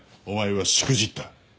お前はしくじった。